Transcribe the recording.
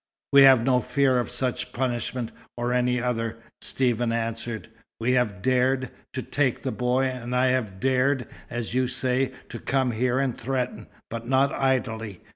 "We have no fear of such punishment, or any other," Stephen answered. "We have 'dared' to take the boy; and I have dared, as you say, to come here and threaten, but not idly.